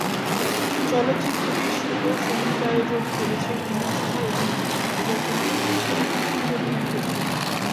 চলচ্চিত্রটির সুর ও সঙ্গীতায়োজন করেছেন ইমন সাহা এবং গীত রচনা করেছেন কবির বকুল।